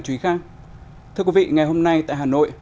thưa quý vị ngày hôm nay tại hà nội